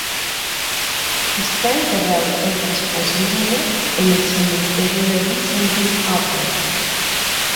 Está enterrado con su esposa Lina en el cementerio de Wezembeek-Ophem.